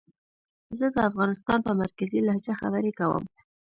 زه د افغانستان په مرکزي لهجه خبرې کووم